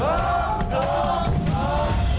ถูก